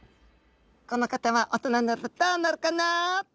この方は大人になるとどうなるかな？